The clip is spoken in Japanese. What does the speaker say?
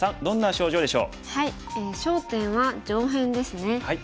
焦点は上辺ですね。